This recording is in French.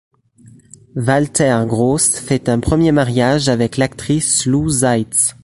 Walter Gross fait un premier mariage avec l'actrice Lou Seitz.